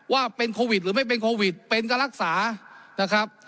ว่าเป็นโควิดหรือไม่เป็นโควิดเป็นก็รักษานะครับ